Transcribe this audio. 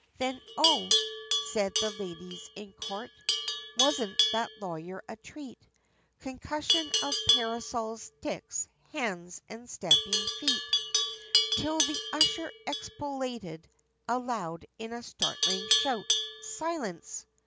Then "Oh!" said the ladies in court, "Wasn't that lawyer a treat?" Concussion of parasols, sticks, hands, and stamping feet, Till the usher expostulated, aloud in a startling shout, "Silence!!!"